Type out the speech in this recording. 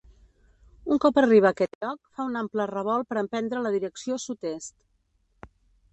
Un cop arriba a aquest lloc fa un ample revolt per emprendre la direcció sud-est.